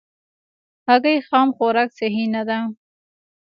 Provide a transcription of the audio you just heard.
هګۍ خام خوراک صحي نه ده.